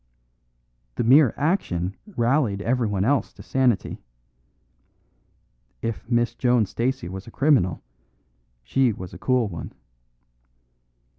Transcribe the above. The mere action rallied everyone else to sanity. If Miss Joan Stacey was a criminal, she was a cool one.